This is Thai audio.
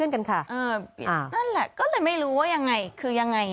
นั่นแหละก็เลยไม่รู้ว่ายังไงคือยังไง